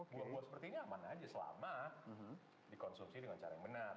buah buah seperti ini aman aja selama dikonsumsi dengan cara yang benar